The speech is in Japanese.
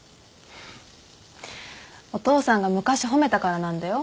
お父さんが昔褒めたからなんだよ。